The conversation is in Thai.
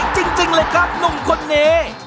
เจ๋งจริงเลยครับนุ่มคนเน